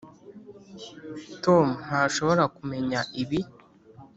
tom ntashobora kumenya ibi.